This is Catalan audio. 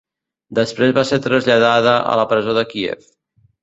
Després va ser traslladada a la presó de Kíev.